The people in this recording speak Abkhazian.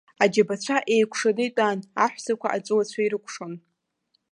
Аџьабацәа еикәшаны итәан, аҳәсақәа аҵәыуацәа ирыкәшон.